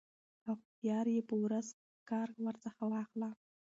كه هوښيار يې په ورځ كار ورڅخه واخله